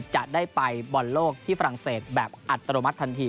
จะได้ไปบอลโลกที่ฝรั่งเศสแบบอัตโนมัติทันที